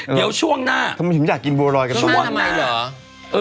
เดี๋ยวช่วงหน้าทำไมฉันอยากกินบัวร้อยกันช่วงหน้าทำไมเหรอ